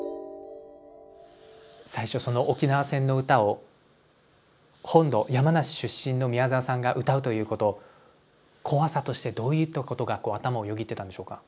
最初その沖縄戦の歌を本土山梨出身の宮沢さんが歌うということ怖さとしてどういったことが頭をよぎってたんでしょうか。